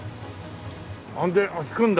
あれで引くんだ。